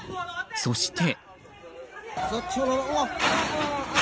そして。